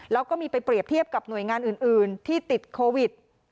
แล้วก็มีไปเปรียบเทียบกับหน่วยงานอื่นที่ติดโควิด